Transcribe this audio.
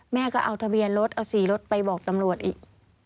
แม่ก็เอาทะเบียนรถเอา๔รถไปบอกตำรวจอีก